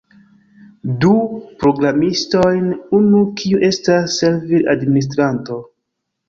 Du programistojn unu, kiu estas servil-administranto